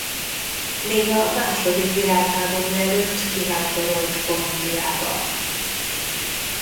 Még a második világháború előtt kivándorolt Kolumbiába.